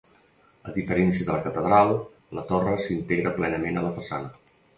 A diferència de la catedral, la torre s'integra plenament a la façana.